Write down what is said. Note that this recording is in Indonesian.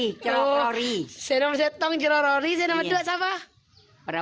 saya menurut saya cerok rory saya nama dua siapa